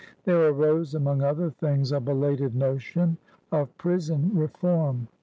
There arose, among other things, a be lated notion of prison reform.